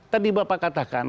tadi bapak katakan